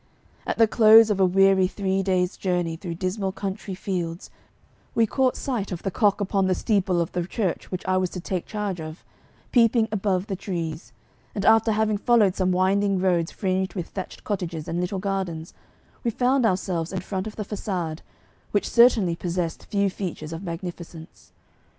At the close of a weary three days' journey through dismal country fields, we caught sight of the cock upon the steeple of the church which I was to take charge of, peeping above the trees, and after having followed some winding roads fringed with thatched cottages and little gardens, we found ourselves in front of the façade, which certainly possessed few features of magnificence.